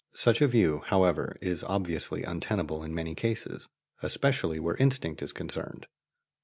Such a view, however, is obviously untenable in many cases, especially where instinct is concerned.